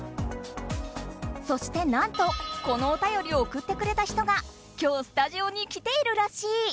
そしてなんとこのお便りをおくってくれた人が今日スタジオに来ているらしい！